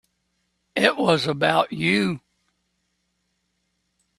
It was about you.